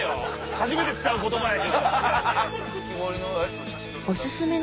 初めて使う言葉やけど。